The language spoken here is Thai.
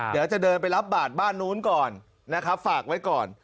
เดี๋ยวจะเดินไปรับบาทบ้านนู้นก่อนนะครับฝากไว้ก่อน